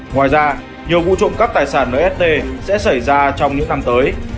ngoài ra nhiều vụ trộm cắp tài sản nst sẽ xảy ra trong những năm tới